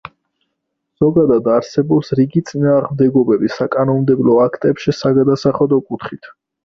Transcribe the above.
ზოგადად, არსებობს რიგი წინააღმდეგობები საკანონმდებლო აქტებში საგადასახადო კუთხით.